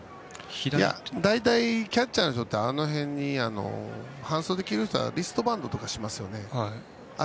大体キャッチャーの人はあの辺にリストバンドとかしますよね。